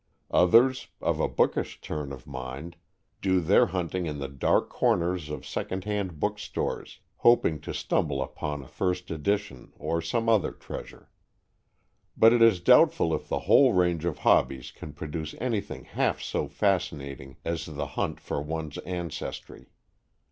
Others, of a bookish turn of mind, do their hunting in the dark corners of second hand bookstores, hoping to stumble upon a first edition or some other treasure. But it is doubtful if the whole range of hobbies can produce anything half so fascinating as the hunt for one's ancestry.